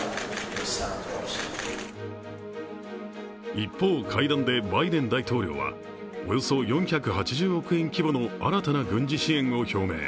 一方、会談でバイデン大統領はおよそ４８０億円規模の新たな軍事支援を表明。